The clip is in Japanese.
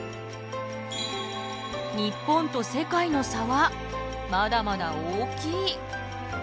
日本と世界の差はまだまだ大きい。